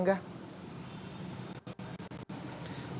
seperti biasanya gitu angga